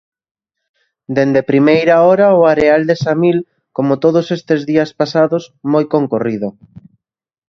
Dende primeira hora o areal de Samil, como todos estes días pasados, moi concorrido.